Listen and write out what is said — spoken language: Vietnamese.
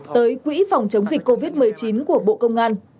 tới quỹ phòng chống dịch covid một mươi chín của bộ công an